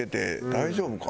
大丈夫か？